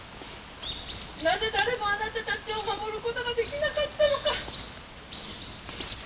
なぜ誰もあなたたちを守ることができなかったのか。